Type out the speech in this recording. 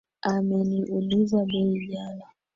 Ameniulizia bei jana